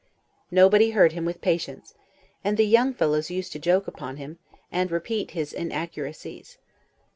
Nobody heard him with patience; and the young fellows used to joke upon him, and repeat his inaccuracies.